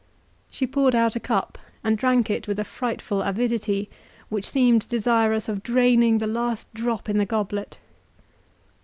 She poured out a cup, and drank it with a frightful avidity, which seemed desirous of draining the last drop in the goblet.